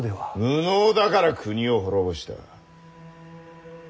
無能だから国を滅ぼした。